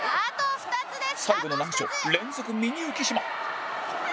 最後の難所連続ミニ浮島